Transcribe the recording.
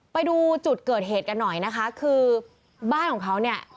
ไปดูจุดเกิดเหตุกันหน่อยนะคะคือบ้านของเขาเนี่ย